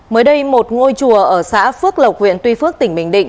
mới đây một ngôi chùa ở xã phước lộc huyện tuy phước tỉnh bình định